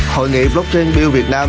hội nghị blockchain build vietnam